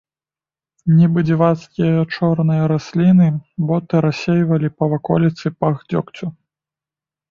Нібы дзівацкія чорныя расліны, боты рассейвалі па ваколіцы пах дзёгцю.